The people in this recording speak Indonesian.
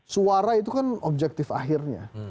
suara itu kan objektif akhirnya